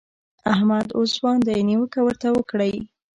احمد اوس ځوان دی؛ نيوکه ورته کړئ.